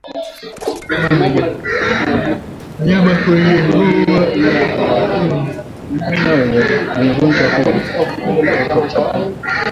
Wanyama wenye ugonjwa huu hutoka uchafu machoni